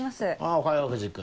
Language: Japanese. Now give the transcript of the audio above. おはよう藤君。